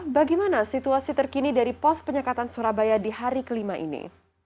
bagaimana situasi terkini dari pos penyekatan surabaya di hari kelima ini